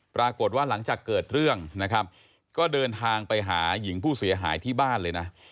ปรากฏว่าหลังจากเกิดเรื่องนะครับก็เดินทางไปหาหญิงผู้เสียหายที่บ้านเลยนะ